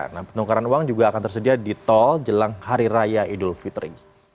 nah penukaran uang juga akan tersedia di tol jelang hari raya idul fitri